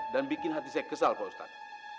dan bikin hati saya kesal pak ustadz